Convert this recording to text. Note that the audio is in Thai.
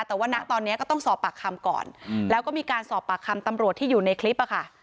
แต่ว่าณตอนนี้ก็ต้องสอบปากคำก่อนแล้วก็มีการสอบปากคำตำรวจที่อยู่ในคลิปอะค่ะ